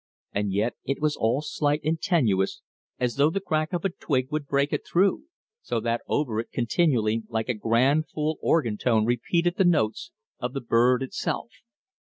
And yet it was all slight and tenuous as though the crack of a twig would break it through so that over it continually like a grand full organ tone repeated the notes of the bird itself.